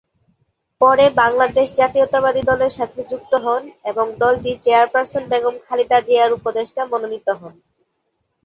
পরে বাংলাদেশ জাতীয়তাবাদী দলের সাথে যুক্ত হন এবং দলটির চেয়ারপার্সন বেগম খালেদা জিয়ার উপদেষ্টা মনোনীত হন।